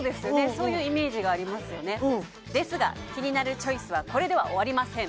そういうイメージがありますよねですがキニナルチョイスはこれでは終わりません